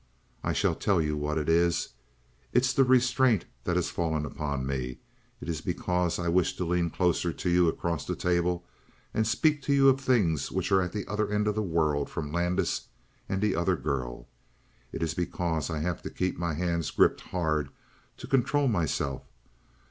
"I shall tell you what it is. It is the restraint that has fallen upon me. It is because I wish to lean closer to you across the table and speak to you of things which are at the other end of the world from Landis and the other girl. It is because I have to keep my hands gripped hard to control myself.